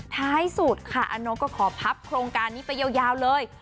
ท้ายสุดค่ะอานนกก็ขอพับโครงการนี้ไปยาวเลย